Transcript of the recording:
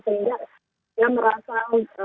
sehingga dia merasa